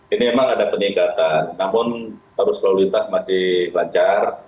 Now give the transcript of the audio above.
ini memang ada peningkatan namun arus lalu lintas masih lancar